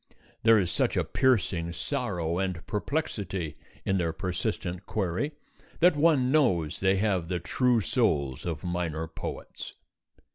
There is such a piercing sorrow and perplexity in their persistent query that one knows they have the true souls of minor poets.